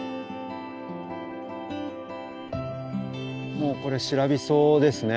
もうこれシラビソですね。